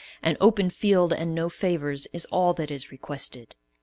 "An open field and no favors" is all that is requested.